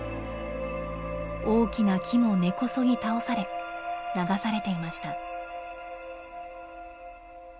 大きな木も根こそぎ倒され流されていました。